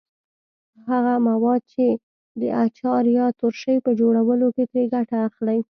هغه مواد چې د اچار یا ترشۍ په جوړولو کې ترې ګټه اخلئ.